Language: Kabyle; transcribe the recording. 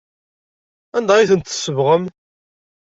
Anda ay ten-tsebɣem?